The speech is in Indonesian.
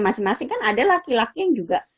masing masing kan ada laki laki yang juga